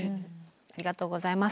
ありがとうございます。